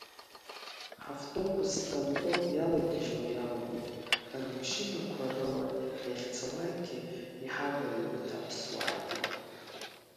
Ҳавтобус Сҭампыл иалагьежьуа иалоуп, рмашьынақәа рыла иахьцалакгьы иҳаваҩуеит аԥсуаагьы.